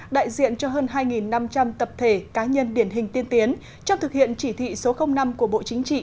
đại diện cho hơn hai năm trăm linh tập thể cá nhân điển hình tiên tiến trong thực hiện chỉ thị số năm của bộ chính trị